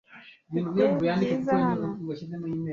Mfite Bwiza hano .